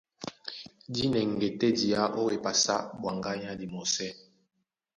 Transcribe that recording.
Di nɛŋgɛ́ tɛ́ diá ó epasi á ɓwaŋgá yá dimɔsɛ́.